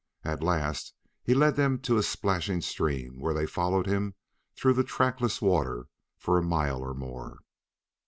At last he led them to a splashing stream where they followed him through the trackless water for a mile or more.